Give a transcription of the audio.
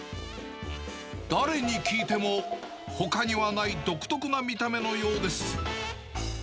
誰に聞いてもほかにはない独特な見た目のようです。